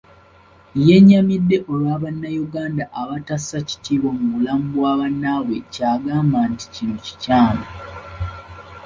Yennyamidde olwa bannayuganda abatakyasa kitiibwa mu bulamu bwa bannaabwe kyagamba nti kino kikyamu.